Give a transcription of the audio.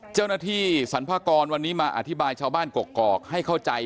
เจ้าหน้าที่สรรพากรวันนี้มาอธิบายชาวบ้านกกอกให้เข้าใจ